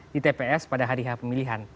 di tps pada hari h pemilihan